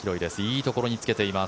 いいところにつけています。